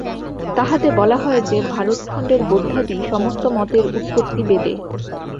তাহাতে বলা হয় যে, ভারতখণ্ডের বৌদ্ধাদি সমস্ত মতের উৎপত্তি বেদে।